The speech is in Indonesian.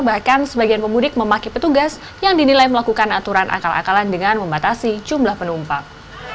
bahkan sebagian pemudik memaki petugas yang dinilai melakukan aturan akal akalan dengan membatasi jumlah penumpang